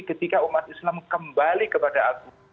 ketika umat islam kembali kepada allah sebagai sumber moral etik